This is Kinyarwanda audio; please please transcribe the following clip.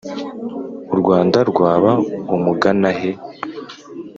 u rwanda rwaba umuganahe